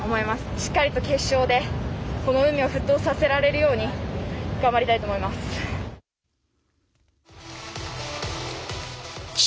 しっかりと決勝でこの海を沸騰させるように頑張りたいです。